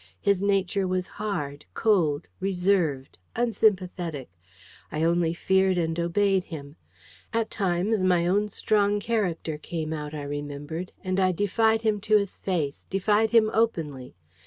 His nature was hard, cold, reserved, unsympathetic. I only feared and obeyed him. At times, my own strong character came out, I remembered, and I defied him to his face, defied him openly.